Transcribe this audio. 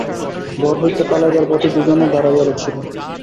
ঘর হইতে পালাইবার পথেই দুজনে দাঁড়াইয়া ছিল।